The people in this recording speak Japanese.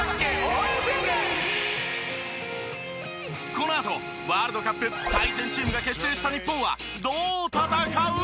このあとワールドカップ対戦チームが決定した日本はどう戦う！？